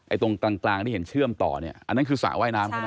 ไอ้ตรงต่างต่างที่เห็นเชื่อมต่อเนี้ยอันนั้นคือสระว่ายน้ำใช่ไหม